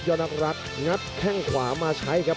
ยอดนักรักษ์จังหัวขึ่นครับ